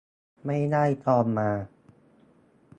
ไม่ได้จองมา